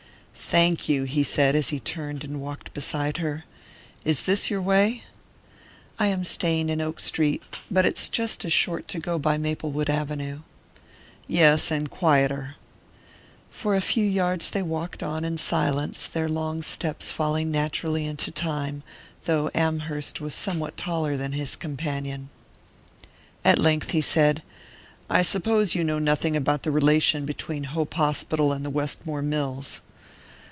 "Thank you," he said as he turned and walked beside her. "Is this your way?" "I am staying in Oak Street. But it's just as short to go by Maplewood Avenue." "Yes; and quieter." For a few yards they walked on in silence, their long steps falling naturally into time, though Amherst was somewhat taller than his companion. At length he said: "I suppose you know nothing about the relation between Hope Hospital and the Westmore Mills."